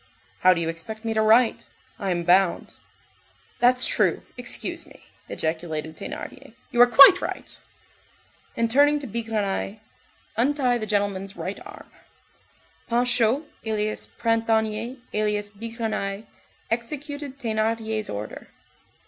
"How do you expect me to write? I am bound." "That's true, excuse me!" ejaculated Thénardier, "you are quite right." And turning to Bigrenaille:— "Untie the gentleman's right arm." Panchaud, alias Printanier, alias Bigrenaille, executed Thénardier's order.